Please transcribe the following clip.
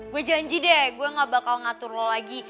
gue janji deh gue gak bakal ngatur lo lagi